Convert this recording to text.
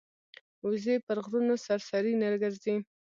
وزې پر غرونو سرسري نه ګرځي